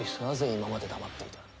なぜ今まで黙っていた？